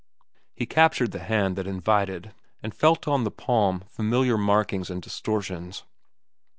He captured the hand that invited, and felt on the palm familiar markings and distortions.